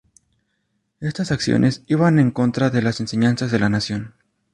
Estas acciones iban en contra de las enseñanzas de la Nación.